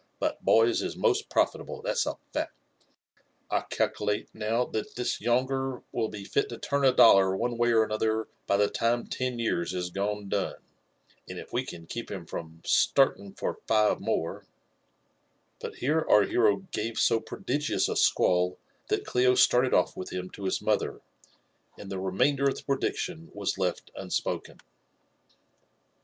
But boys is most profitable, that's a fact. I calculate *vw thai Ihia y omiler will be fit t9 torn « dolhf oiMf way m todthef by the Whe ten years if gone done ; and if we can keep hiftt from itaff Hftg fcr five more ^^" Bat here our hero gave ad prodigiona a a<iuatl, that Clio started &lt with hhn to hii mother, aiid the remainder of the predietfbn waa Ml ttospokeH.